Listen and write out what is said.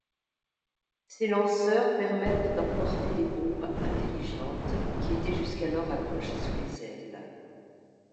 Ces lanceurs permettent d'emporter des bombes intelligentes, qui étaient jusqu'alors accrochées sous les ailes.